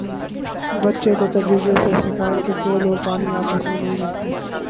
بچے کو تجربے سے سکھائیں کہ تیل اور پانی آپس میں نہیں ملتے